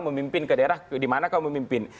memimpin ke daerah di mana kau memimpin